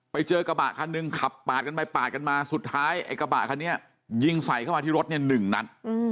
ไปเจอกระบะคันหนึ่งขับปาดกันไปปาดกันมาสุดท้ายไอ้กระบะคันนี้ยิงใส่เข้ามาที่รถเนี่ย๑นัด